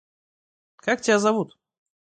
Как тебя зовут?